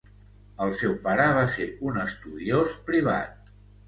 El seu pare va ser un estudiós privat.